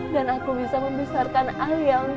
dan aku bisa membesarkan ayah